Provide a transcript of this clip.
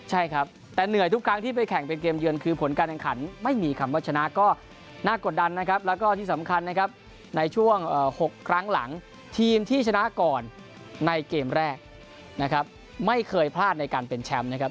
ใช่ครับแต่เหนื่อยทุกครั้งที่ไปแข่งเป็นเกมเยือนคือผลการแข่งขันไม่มีคำว่าชนะก็น่ากดดันนะครับแล้วก็ที่สำคัญนะครับในช่วง๖ครั้งหลังทีมที่ชนะก่อนในเกมแรกนะครับไม่เคยพลาดในการเป็นแชมป์นะครับ